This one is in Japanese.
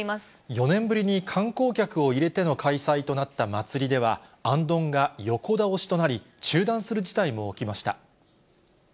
４年ぶりに観光客を入れての開催となった祭りでは、あんどんが横倒しとなり、中断する事態も起きました。